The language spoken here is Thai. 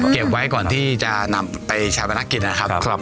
เก็บไว้ก่อนที่จะนำไปชาปนักกิจนะครับ